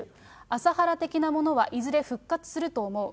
麻原的なものはいずれ復活すると思う。